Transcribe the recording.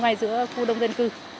ngay giữa khu đông dân cư